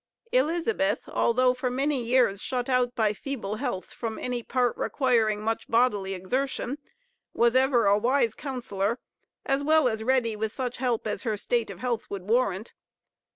Elizabeth, although for many years shut out by feeble health from any part requiring much bodily exertion, was ever a wise counsellor, as well as ready with such help as her state of health would warrant.